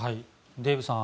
デーブさん